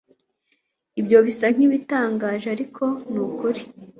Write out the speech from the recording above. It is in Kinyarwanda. ibyo bisa nkibitangaje, ariko nukuri